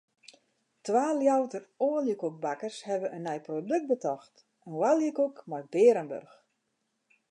Twa Ljouwerter oaljekoekbakkers hawwe in nij produkt betocht: in oaljekoek mei bearenburch.